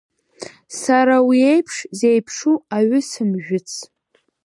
Сара уи еиԥш зеиԥшу аҩы сымжәыц.